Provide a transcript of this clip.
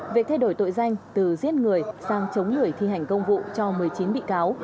về thay đổi tội danh từ giết người sang chống người thi hành công vụ cho một mươi chín bị cáo